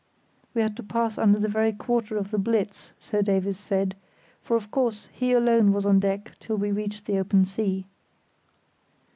We had to pass under the very quarter of the Blitz, so Davies said; for, of course, he alone was on deck till we reached the open sea.